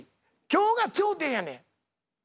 今日が頂点やねん！